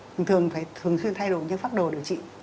thường thường phải thường xuyên thay đổi những pháp đồ điều trị